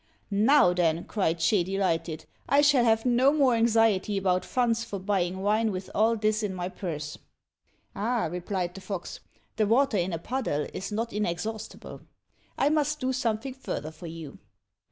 "Now then," cried Ch'ê, delighted, "I shall have no more anxiety about funds for buying wine with all this in my purse." "Ah," replied the fox, "the water in a puddle is not inexhaustible. I must do something further for you."